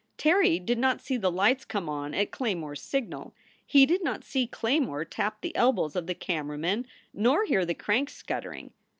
Terry did not see the lights come on at Claymore s signal. He did not see Claymore tap the elbows of the camera men nor hear the cranks scuttering.